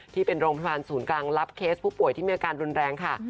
ที่เป็นโรงพยาบาลศูนย์กลางรับเคสผู้ป่วยที่มีอาการรุนแรงค่ะ